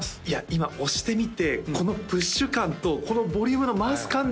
今押してみてこのプッシュ感とこのボリュームの回す感じ